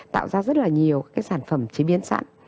tạo ra rất là nhiều cái sản phẩm chế biến sẵn